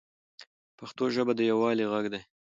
پښتو ژبه د یووالي ږغ دی.